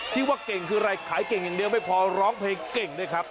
ที่ว่าเก่งคืออะไรขายเก่งอย่างเดียวไม่พอร้องเพลงเก่งด้วยครับ